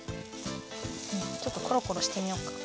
うんちょっとコロコロしてみよっか。